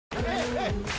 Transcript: はい！